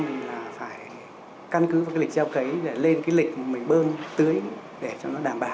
thì là phải căn cứ vào cái lịch gieo cấy để lên cái lịch mình bơm tưới để cho nó đảm bảo